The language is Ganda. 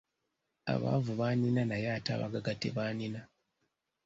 Abaavu bannina naye ate abagagga tebannina.